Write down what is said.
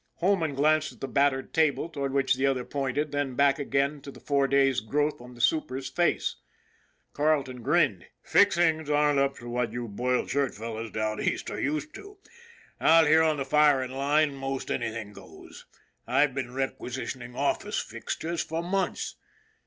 Holman glanced at the battered table toward which the other pointed, then back again to the four days' growth on the super's face. Carleton grinned. " Fixings aren't up to what you boiled shirt fellows down East are used to. Out here on the firing line most anything goes. I've been requisitioning office fixtures for months.